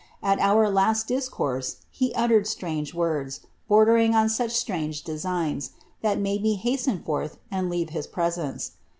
At our last discourse he nl lered strange words, bordering on such strange designs, ihai made me hasten forth, and leave his presence.